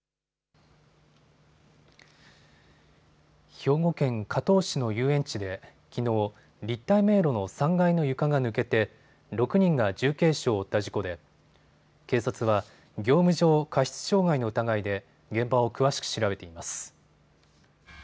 兵庫県加東市の遊園地できのう、立体迷路の３階の床が抜けて６人が重軽傷を負った事故で警察は業務上過失傷害の疑いで現場を詳しく調べています。